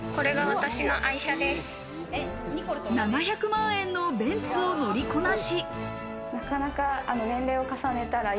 ７００万円のベンツを乗りこなし。